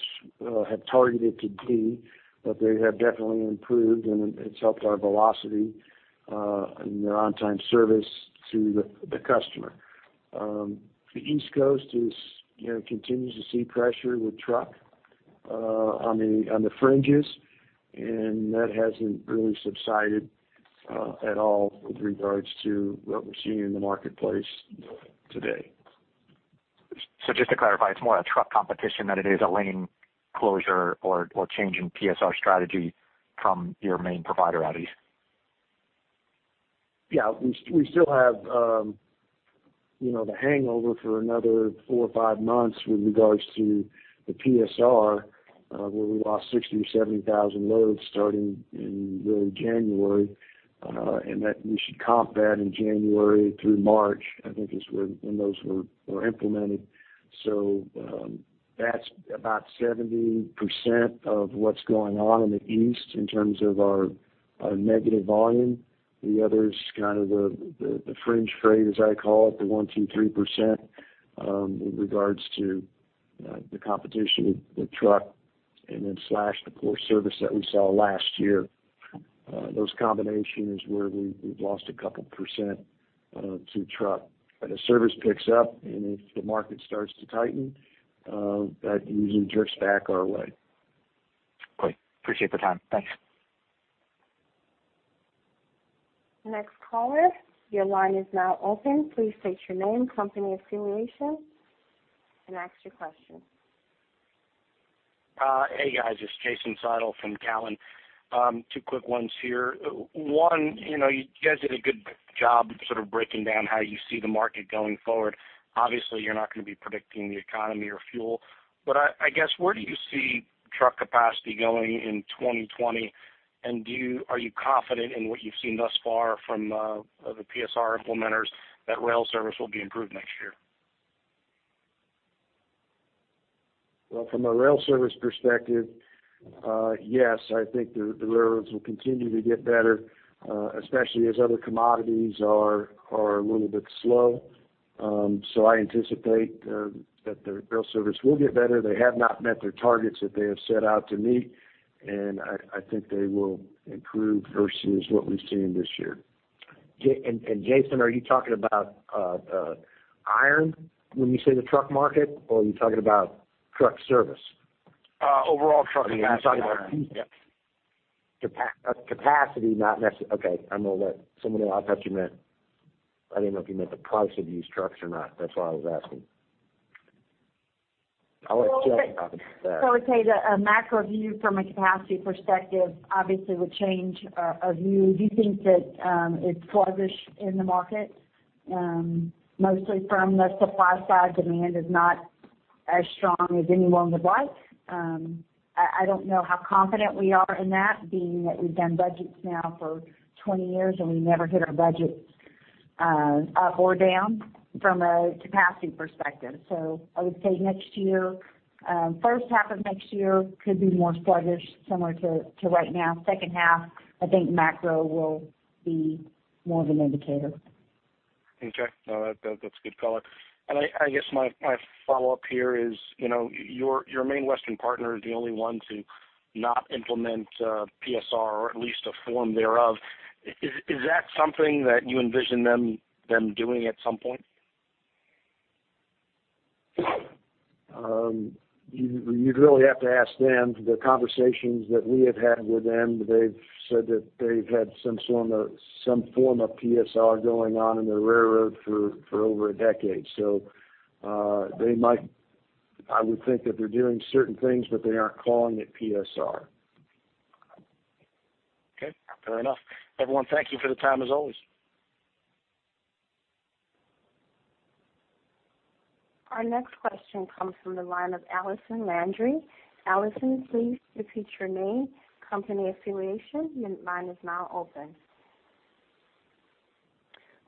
had targeted to be, but they have definitely improved, and it's helped our velocity and their on-time service to the customer. The East Coast continues to see pressure with truck on the fringes, and that hasn't really subsided at all with regards to what we're seeing in the marketplace today. Just to clarify, it's more a truck competition than it is a lane closure or change in PSR strategy from your main provider out east. Yeah. We still have the hangover for another 4 or 5 months with regards to the PSR, where we lost 60,000 or 70,000 loads starting in early January. That we should comp that in January through March, I think is when those were implemented. That's about 70% of what's going on in the East in terms of our negative volume. The other's kind of the fringe trade, as I call it, the 1%, 2%, 3%, with regards to the competition with the truck and then slash the poor service that we saw last year. Those combination is where we've lost a couple % to truck. As service picks up and if the market starts to tighten, that usually jerks back our way. Great. Appreciate the time. Thanks. The next caller, your line is now open. Please state your name, company affiliation, and ask your question. Hey, guys. It's Jason Seidl from Cowen. Two quick ones here. One, you guys did a good job sort of breaking down how you see the market going forward. Obviously, you're not going to be predicting the economy or fuel. I guess, where do you see truck capacity going in 2020? Are you confident in what you've seen thus far from the PSR implementers that rail service will be improved next year? Well, from a rail service perspective, yes, I think the railroads will continue to get better, especially as other commodities are a little bit slow. I anticipate that the rail service will get better. They have not met their targets that they have set out to meet, and I think they will improve versus what we've seen this year. Jason, are you talking about intermodal when you say the truck market, or are you talking about truck service? Overall truck capacity. You're talking about capacity, not necessarily. Okay. I'm going to let someone else. I thought you meant I didn't know if you meant the price of used trucks or not. That's why I was asking. I'll let Shelley talk about that. I would say that a macro view from a capacity perspective obviously would change our view. We think that it's sluggish in the market. Mostly from the supply side, demand is not as strong as anyone would like. I don't know how confident we are in that, being that we've done budgets now for 20 years, and we never hit our budgets up or down from a capacity perspective. I would say first half of next year could be more sluggish, similar to right now. Second half, I think macro will be more of an indicator. Okay. No, that's a good callout. I guess my follow-up here is your main Western partner is the only one to not implement PSR or at least a form thereof. Is that something that you envision them doing at some point? You'd really have to ask them. The conversations that we have had with them, they've said that they've had some form of PSR going on in the railroad for over a decade. I would think that they're doing certain things, but they aren't calling it PSR. Okay. Fair enough. Everyone, thank you for the time, as always. Our next question comes from the line of Allison Landry. Allison, please repeat your name, company affiliation. Your line is now open.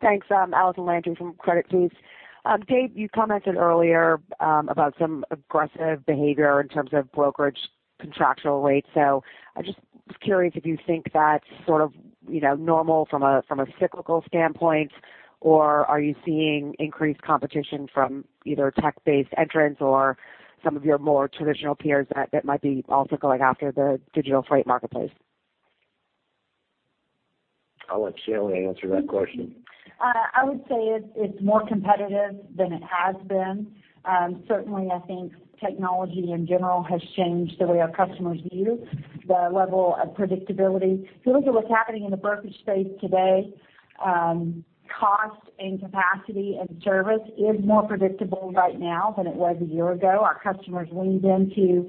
Thanks. Allison Landry from Credit Suisse. Dave, you commented earlier about some aggressive behavior in terms of brokerage contractual rates. I just was curious if you think that's normal from a cyclical standpoint, or are you seeing increased competition from either tech-based entrants or some of your more traditional peers that might be also going after the digital freight marketplace? I'll let Shelley answer that question. I would say it's more competitive than it has been. Certainly, I think technology in general has changed the way our customers view the level of predictability. If you look at what's happening in the brokerage space today, cost and capacity and service is more predictable right now than it was a year ago. Our customers leaned into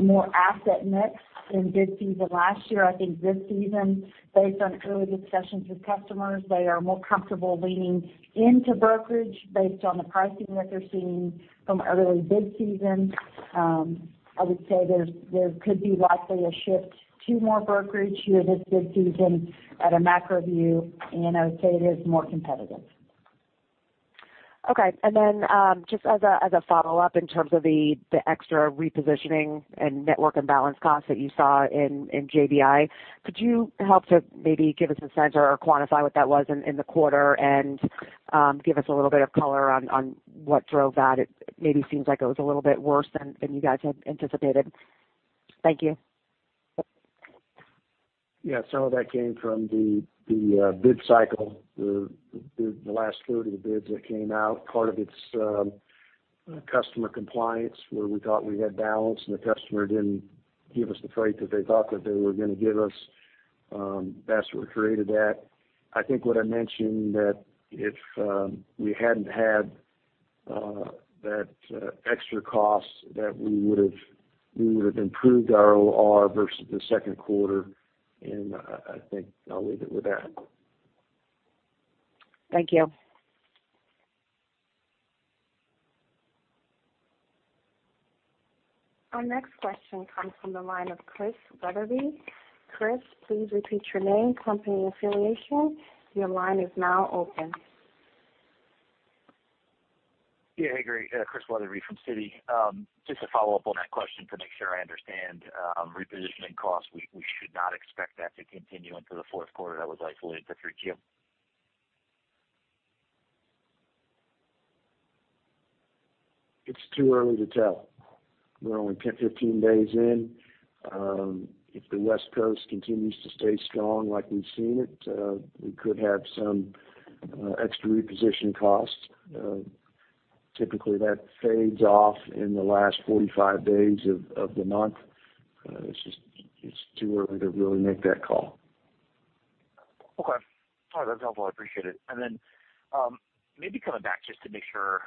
more asset mix in bid season last year. I think this season, based on early discussions with customers, they are more comfortable leaning into brokerage based on the pricing that they're seeing from early bid season. I would say there could be likely a shift to more brokerage here this bid season at a macro view, and I would say it is more competitive. Okay. Just as a follow-up in terms of the extra repositioning and network and balance costs that you saw in JBI, could you help to maybe give us a sense or quantify what that was in the quarter and give us a little bit of color on what drove that? It maybe seems like it was a little bit worse than you guys had anticipated. Thank you. Yeah. Some of that came from the bid cycle, the last third of the bids that came out. Part of it is customer compliance, where we thought we had balance and the customer didn't give us the freight that they thought that they were going to give us. That's what created that. I think what I mentioned that if we hadn't had that extra cost, that we would have improved our OR versus the second quarter, and I think I'll leave it with that. Thank you. Our next question comes from the line of Chris Wetherbee. Chris, please repeat your name, company affiliation. Your line is now open. Chris Wetherbee from Citi. Just to follow up on that question to make sure I understand repositioning costs. We should not expect that to continue into the fourth quarter? That was isolated to 3Q? It's too early to tell. We're only 15 days in. If the West Coast continues to stay strong like we've seen it, we could have some extra reposition costs. Typically, that fades off in the last 45 days of the month. It's too early to really make that call. Okay. All right. That's helpful. I appreciate it. Maybe coming back just to make sure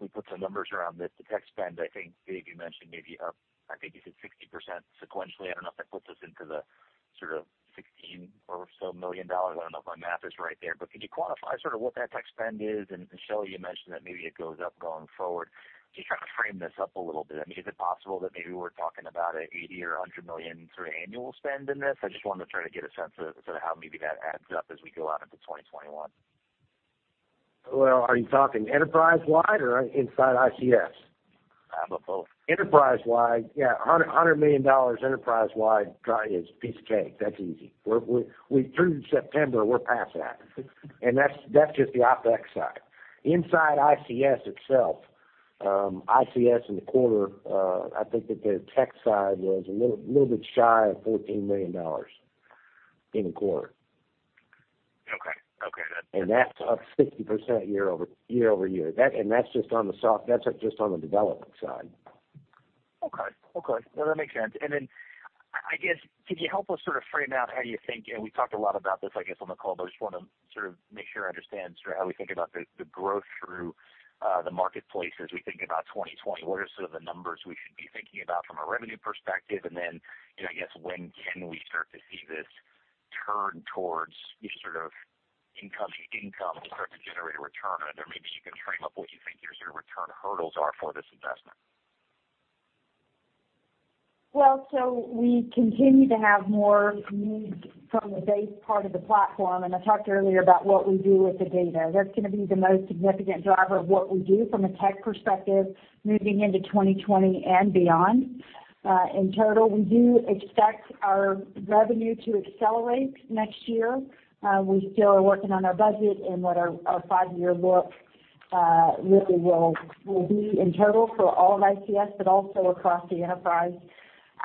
we put some numbers around this. The tech spend, I think, Dave, you mentioned maybe up, I think you said 60% sequentially. I don't know if that puts us into the sort of $16 or so million. I don't know if my math is right there. Could you quantify sort of what that tech spend is? Shelley, you mentioned that maybe it goes up going forward. Can you try to frame this up a little bit? Is it possible that maybe we're talking about an $80 or $100 million annual spend in this? I just wanted to try to get a sense of how maybe that adds up as we go out into 2021. Well, are you talking enterprise-wide or inside ICS? Both. Enterprise-wide, yeah, $100 million enterprise-wide is a piece of cake. That's easy. Through September, we're past that. That's just the OpEx side. Inside ICS itself in the quarter, I think that their tech side was a little bit shy of $14 million in the quarter. Okay. That's up 60% year-over-year. That's just on the development side. No, that makes sense. I guess, could you help us sort of frame out how you think, and we talked a lot about this, I guess, on the call, but I just want to sort of make sure I understand sort of how we think about the growth through the marketplace as we think about 2020. What are some of the numbers we should be thinking about from a revenue perspective? I guess when can we start to see this turn towards each sort of incoming income start to generate a return? Maybe you can frame up what you think your sort of return hurdles are for this investment. We continue to have more needs from the base part of the platform, and I talked earlier about what we do with the data. That's going to be the most significant driver of what we do from a tech perspective moving into 2020 and beyond. In total, we do expect our revenue to accelerate next year. We still are working on our budget and what our 5-year look really will be in total for all of ICS, but also across the enterprise.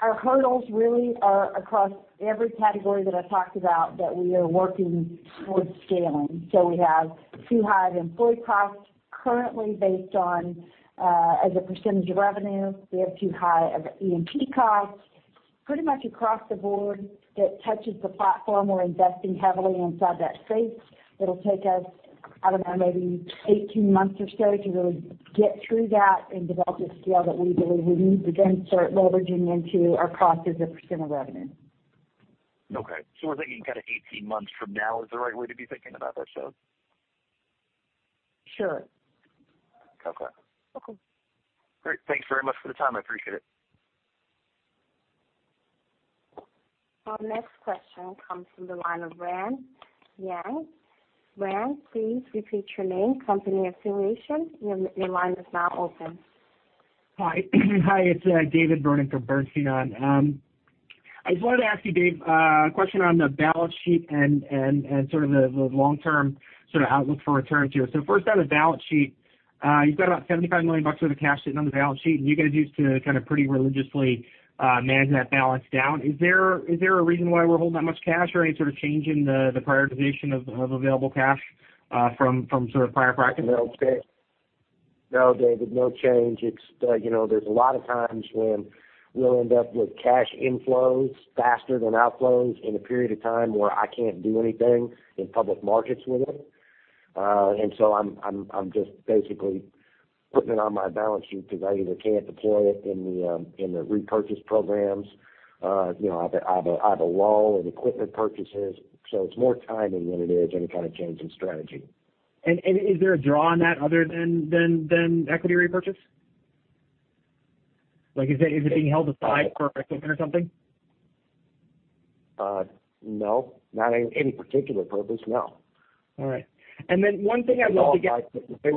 Our hurdles really are across every category that I talked about that we are working towards scaling. We have too high of employee costs currently based on as a percentage of revenue. We have too high of EMP costs. Pretty much across the board that touches the platform, we're investing heavily inside that space. It'll take us, I don't know, maybe 18 months or so to really get through that and develop a scale that we believe we need to then start leveraging into our cost as a % of revenue. Okay. We're thinking kind of 18 months from now is the right way to be thinking about that. Sure. Okay. Okay. Great. Thanks very much for the time. I appreciate it. Our next question comes from the line of [David Vernon]. [David], please repeat your name, company affiliation. Your line is now open. Hi. Hi, it's David Vernon from Bernstein. I just wanted to ask you, Dave, a question on the balance sheet and sort of the long-term sort of outlook for returns here. First on the balance sheet, you've got about $75 million worth of cash sitting on the balance sheet, and you guys used to kind of pretty religiously manage that balance down. Is there a reason why we're holding that much cash or any sort of change in the prioritization of available cash from sort of prior practice? No, David, no change. There's a lot of times when we'll end up with cash inflows faster than outflows in a period of time where I can't do anything in public markets with it. I'm just basically putting it on my balance sheet because I either can't deploy it in the repurchase programs, I have a lull in equipment purchases, so it's more timing than it is any kind of change in strategy. Is there a draw on that other than equity repurchase? Like is it being held aside for a reason or something? No, not any particular purpose, no. All right. One thing I'd love to get-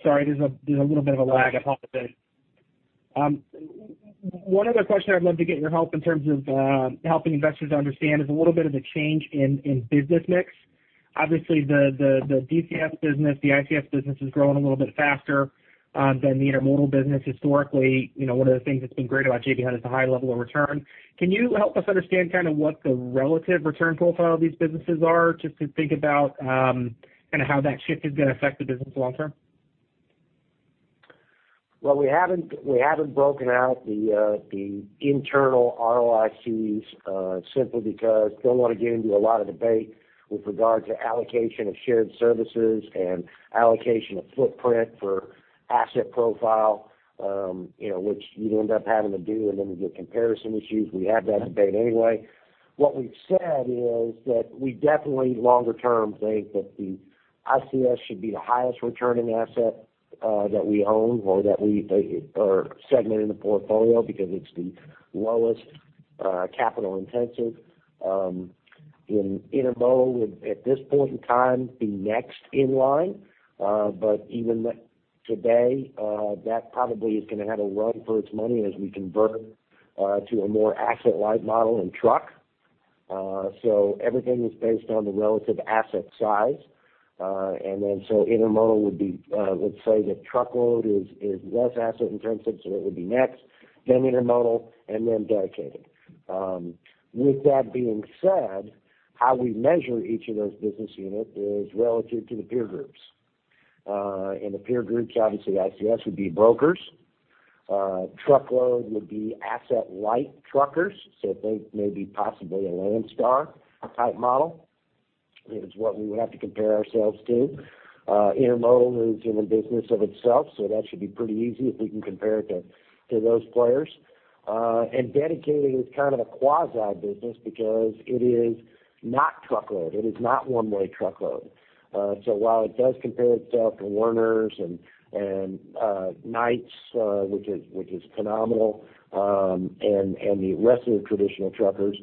It's all my. Sorry, there's a little bit of a lag. I apologize. One other question I'd love to get your help in terms of helping investors understand is a little bit of the change in business mix. Obviously, the DCS business, the ICS business is growing a little bit faster than the intermodal business historically. One of the things that's been great about J.B. Hunt is the high level of return. Can you help us understand kind of what the relative return profile of these businesses are, just to think about kind of how that shift is going to affect the business long term? Well, we haven't broken out the internal ROICs, simply because don't want to get into a lot of debate with regard to allocation of shared services and allocation of footprint for asset profile, which you'd end up having to do, and then the comparison issues, we have that debate anyway. What we've said is that we definitely longer term think that the ICS should be the highest returning asset that we own or segment in the portfolio because it's the lowest capital intensive. Intermodal would at this point in time be next in line. Even today, that probably is going to have to run for its money as we convert to a more asset-light model in truck. Everything is based on the relative asset size. Intermodal would be, let's say that truckload is less asset-intensive, so it would be next, then intermodal, and then dedicated. With that being said, how we measure each of those business unit is relative to the peer groups. In the peer groups, obviously ICS would be brokers. Truckload would be asset-light truckers, so think maybe possibly a Landstar-type model is what we would have to compare ourselves to. Intermodal is in a business of itself, so that should be pretty easy if we can compare it to those players. Dedicated is kind of a quasi-business because it is not truckload. It is not one-way truckload. While it does compare itself to Werner and Knight, which is phenomenal, and the rest of the traditional truckers,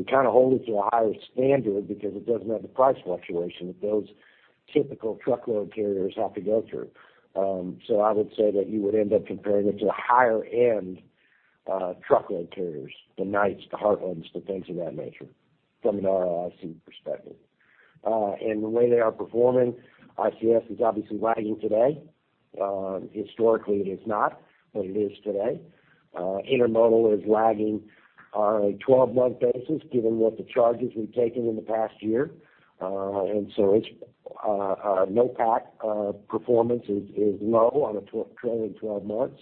we kind of hold it to a higher standard because it doesn't have the price fluctuation that those typical truckload carriers have to go through. I would say that you would end up comparing it to the higher end Truckload carriers, the Knight, the Heartland, the things of that nature, from an ROIC perspective. The way they are performing, ICS is obviously lagging today. Historically, it is not, but it is today. Intermodal is lagging on a 12-month basis given what the charges we've taken in the past year. Its NOPAT performance is low on a trailing 12 months.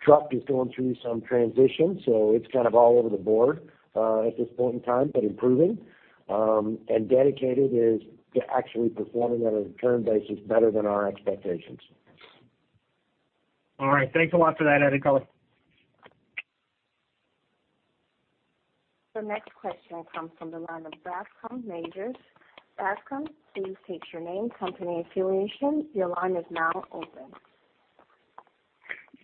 Truck is going through some transition, so it's kind of all over the board at this point in time, but improving. Dedicated is actually performing on a return basis better than our expectations. All right. Thanks a lot for that, [that is all]. The next question comes from the line of Bascome Majors. Bascome, please state your name, company affiliation. Your line is now open.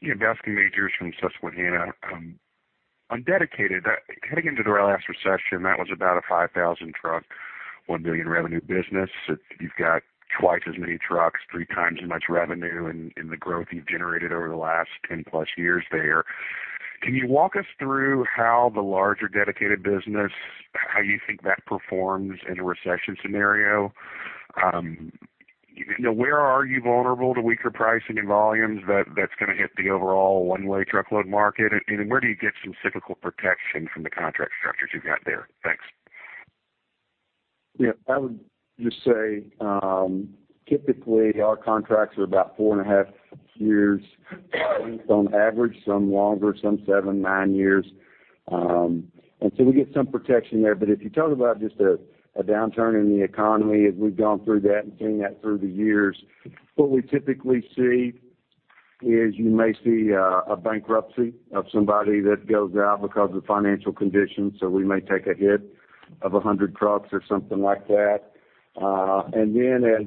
Yeah, Bascome Majors from Susquehanna. On Dedicated, heading into the last recession, that was about a 5,000 truck, $1 billion revenue business. You've got 2 times as many trucks, 3 times as much revenue in the growth you've generated over the last 10 plus years there. Can you walk us through how the larger Dedicated business, how you think that performs in a recession scenario? Where are you vulnerable to weaker pricing and volumes that's going to hit the overall one-way truckload market? Where do you get some cyclical protection from the contract structures you've got there? Thanks. I would just say, typically our contracts are about four and a half years based on average, some longer, some seven, nine years. We get some protection there. If you talk about just a downturn in the economy, as we've gone through that and seen that through the years, what we typically see is you may see a bankruptcy of somebody that goes out because of financial conditions. We may take a hit of 100 trucks or something like that. As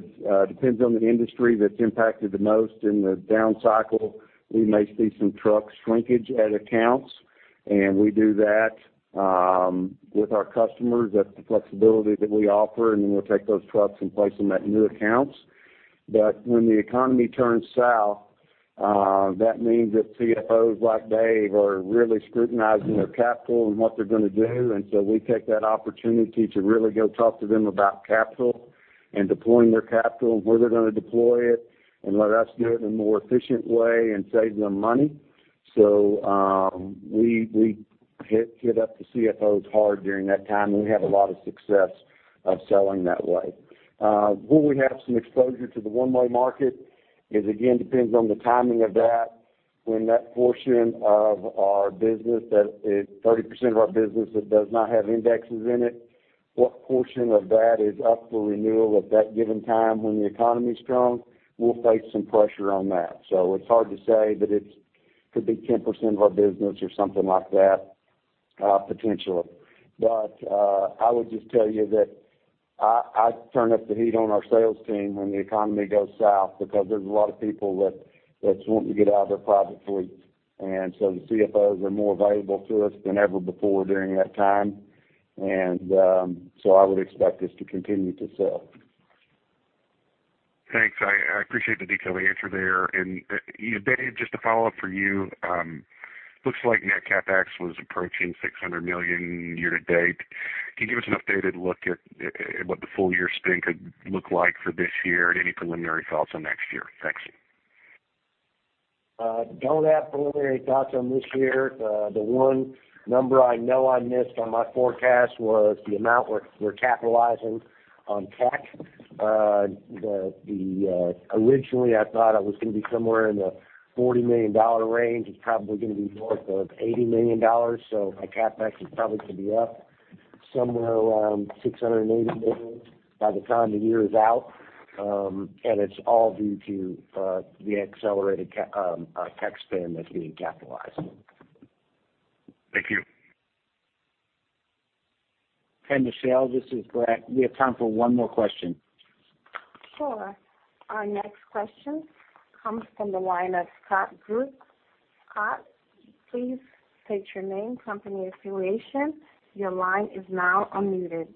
depends on the industry that's impacted the most in the down cycle, we may see some truck shrinkage at accounts, and we do that with our customers. That's the flexibility that we offer, and then we'll take those trucks and place them at new accounts. When the economy turns south, that means that CFOs like Dave are really scrutinizing their capital and what they're going to do. We take that opportunity to really go talk to them about capital and deploying their capital, where they're going to deploy it, and let us do it in a more efficient way and save them money. We hit up the CFOs hard during that time, and we have a lot of success of selling that way. Will we have some exposure to the one-way market? It again depends on the timing of that. When that portion of our business that is 30% of our business that does not have indexes in it, what portion of that is up for renewal at that given time when the economy is strong, we'll face some pressure on that. It's hard to say, but it could be 10% of our business or something like that, potentially. I would just tell you that I turn up the heat on our sales team when the economy goes south because there's a lot of people that want to get out of their private fleet. The CFOs are more valuable to us than ever before during that time. I would expect us to continue to sell. Thanks. I appreciate the detailed answer there. Dave, just a follow-up for you. Looks like net CapEx was approaching $600 million year-to-date. Can you give us an updated look at what the full year spend could look like for this year and any preliminary thoughts on next year? Thanks. Don't have preliminary thoughts on this year. The one number I know I missed on my forecast was the amount we're capitalizing on tech. Originally, I thought it was going to be somewhere in the $40 million range. It's probably going to be more like $80 million. My CapEx is probably going to be up somewhere around $680 million by the time the year is out. It's all due to the accelerated tech spend that's being capitalized. Thank you. Okay, Michelle, this is Brad. We have time for one more question. Sure. Our next question comes from the line of Scott Group. Scott, please state your name, company affiliation. Your line is now unmuted.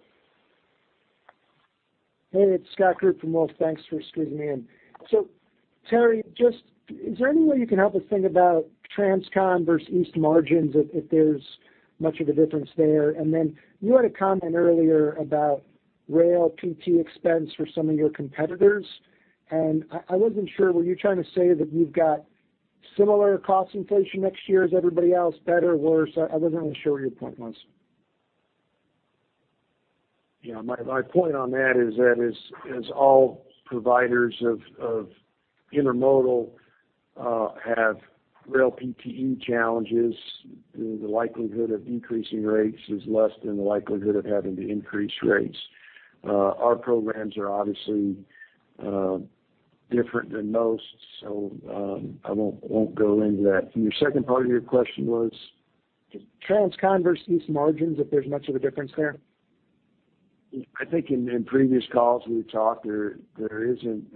Hey, it's Scott Group from Wolfe. Thanks for squeezing me in. Terry, is there any way you can help us think about transcon versus east margins, if there's much of a difference there? Then you had a comment earlier about rail PTC expense for some of your competitors. I wasn't sure, were you trying to say that you've got similar cost inflation next year as everybody else, better, worse? I wasn't really sure what your point was. Yeah, my point on that is that as all providers of intermodal have rail PTC challenges, the likelihood of decreasing rates is less than the likelihood of having to increase rates. Our programs are obviously different than most, so I won't go into that. Your second part of your question was? transcon versus east margins, if there's much of a difference there. I think in previous calls we've talked, there isn't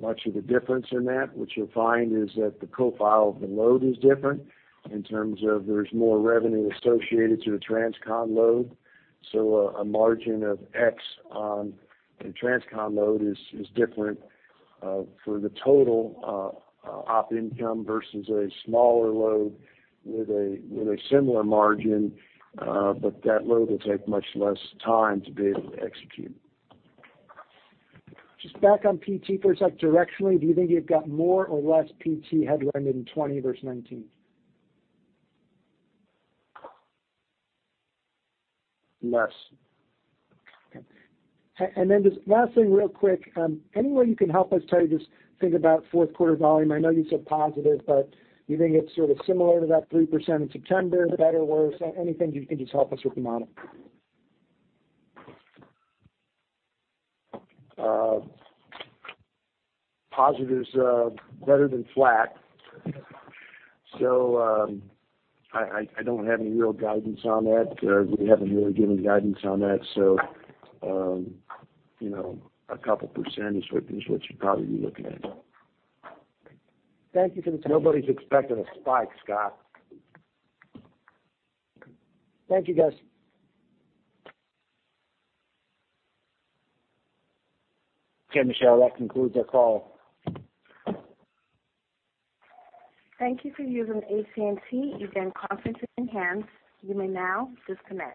much of a difference in that. What you'll find is that the profile of the load is different in terms of there's more revenue associated to a transcon load. A margin of X on a transcon load is different for the total op income versus a smaller load with a similar margin. That load will take much less time to be able to execute. Just back on PTC for a sec. Directionally, do you think you've got more or less PTC headwind in 2020 versus 2019? Less. Okay. Just last thing real quick. Any way you can help us, Terry, just think about fourth quarter volume. I know you said positive, but you think it's sort of similar to that 3% in September, better, worse? Anything you can just help us with the model? Positive is better than flat. I don't have any real guidance on that. We haven't really given guidance on that. A couple % is what you'd probably be looking at. Thank you for the time. Nobody's expecting a spike, Scott. Thank you, guys. Okay, Michelle, that concludes our call. Thank you for using AT&T Event Conference Enhanced. You may now disconnect.